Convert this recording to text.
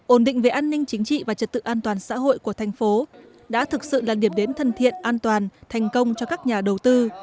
ổn định về an ninh chính trị và trật tự an toàn xã hội của thành phố đã thực sự là điểm đến thân thiện an toàn thành công cho các nhà đầu tư